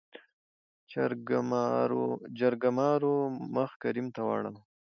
جرګمارو مخ کريم ته ورواړو .